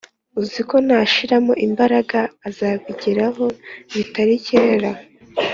uziko nashiramo imbaraga azabigeraho bitari kera